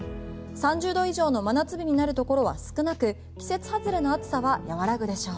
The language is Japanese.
３０度以上の真夏日になるところは少なく季節外れの暑さは和らぐでしょう。